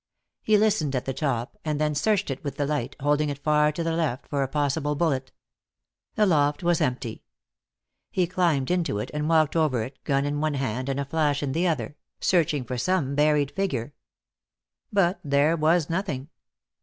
He listened at the top, and then searched it with the light, holding it far to the left for a possible bullet. The loft was empty. He climbed into it and walked over it, gun in one hand and flash in the other, searching for some buried figure. But there was nothing.